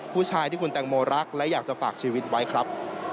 ผู้ชายที่คุณแตงโมรักและอยากจะฝากชีวิตไว้ครับ